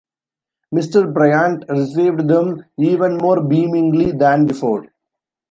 Mr. Bryant received them even more beamingly than before.